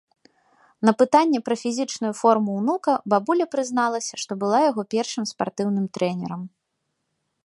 На пытанне пра фізічную форму ўнука бабуля прызналася, што была яго першым спартыўным трэнерам.